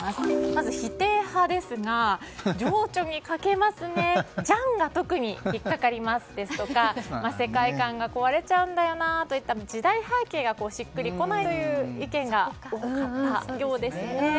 まず否定派ですが情緒に欠けますねじゃんが特に引っかかりますですとか世界観が壊れちゃうんだよなといった時代背景がしっくり来ないという意見が多かったようですね。